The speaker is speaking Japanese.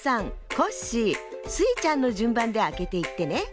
コッシースイちゃんのじゅんばんであけていってね。